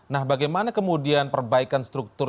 nah bagaimana kemudian perbaikan struktur